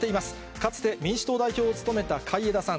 かつて民主党代表を務めた海江田さん。